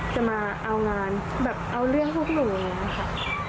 จะมาเอางานแบบเอาเรื่องพวกหนูอย่างนี้ค่ะ